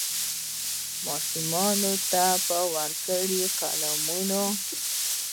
ماشومانو ته به ورکړي قلمونه